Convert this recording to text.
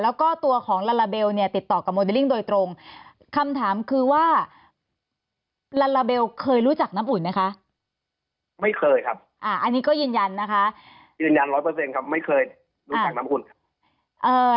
แล้วก็ตัวของลาลาเบลเนี่ยติดต่อกับโมเดลลิ่งโดยตรงคำถามคือว่าลาลาเบลเคยรู้จักน้ำอุ่นไหมคะไม่เคยครับอ่าอันนี้ก็ยืนยันนะคะยืนยันร้อยเปอร์เซ็นต์ครับไม่เคยรู้จักน้ำอุ่นครับ